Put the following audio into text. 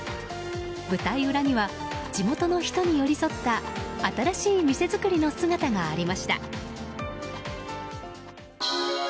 舞台裏には地元の人に寄り添った新しい店づくりの姿がありました。